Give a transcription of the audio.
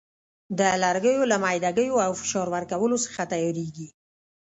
د لرګیو له میده ګیو او فشار ورکولو څخه تیاریږي.